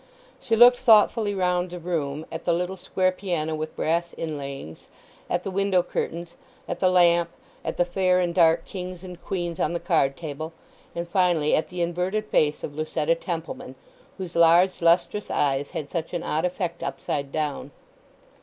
She looked thoughtfully round the room—at the little square piano with brass inlayings, at the window curtains, at the lamp, at the fair and dark kings and queens on the card table, and finally at the inverted face of Lucetta Templeman, whose large lustrous eyes had such an odd effect upside down.